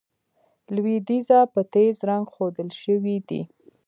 لوېدیځه په تېز رنګ ښودل شوي دي.